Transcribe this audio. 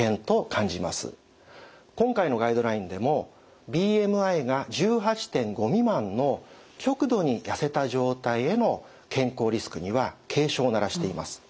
今回のガイドラインでもＢＭＩが１８．５未満の極度にやせた状態への健康リスクには警鐘を鳴らしています。